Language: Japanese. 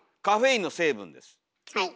はい。